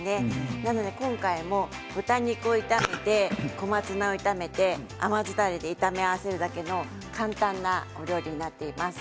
なので、今回も豚肉を炒めて小松菜を炒めて甘酢だれで炒め合わせるだけの簡単なお料理になっています。